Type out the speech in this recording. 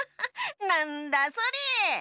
なんだそれ！